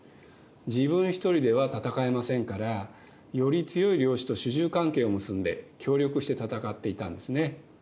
自分一人では戦えませんからより強い領主と主従関係を結んで協力して戦っていたんですね。